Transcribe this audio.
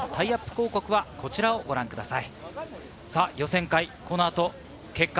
広告は、こちらをご覧ください。